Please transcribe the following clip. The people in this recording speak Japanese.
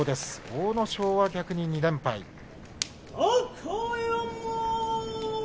阿武咲は逆に２連敗です。